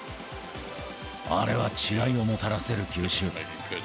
あれは違いをもたらせる球種。